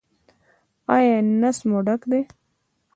ایا نس مو ډک دی؟